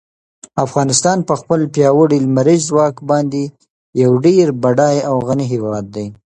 افغانستان په خپل پیاوړي لمریز ځواک باندې یو ډېر بډای او غني هېواد دی.